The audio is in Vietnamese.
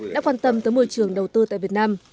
đã quan tâm tới môi trường đầu tư tại việt nam